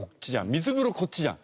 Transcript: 水風呂こっちじゃん。